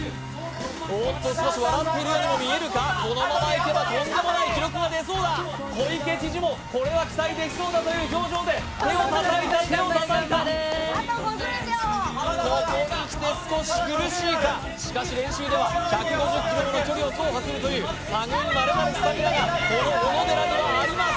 少し笑ってるようにも見えるかこのままいけばとんでもない記録が出そうだ小池知事もこれは期待できそうだという表情で手をたたいたあと５０秒ここにきて少し苦しいかしかし練習では１５０ｋｍもの距離を走破するというたぐいまれなるスタミナがこの小野寺にはあります